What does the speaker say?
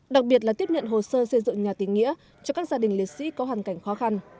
đặc biệt là tiếp nhận hồ sơ xây dựng nhà tình nghĩa cho các gia đình liệt sĩ có hoàn cảnh khó khăn